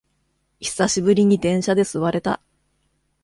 久しぶりに電車で座れた